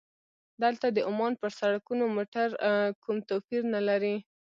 دلته د عمان پر سړکونو موټر کوم توپیر نه لري.